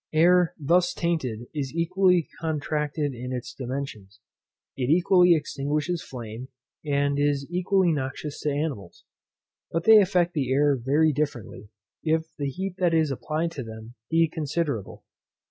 Air thus tainted is equally contracted in its dimensions, it equally extinguishes flame, and is equally noxious to animals; but they affect the air very differently, if the heat that is applied to them be considerable.